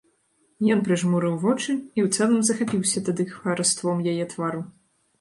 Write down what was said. Ён прыжмурыў вочы і ў цэлым захапіўся тады хараством яе твару.